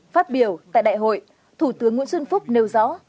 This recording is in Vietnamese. phát biểu tại đại hội thủ tướng nguyễn xuân phúc nêu rõ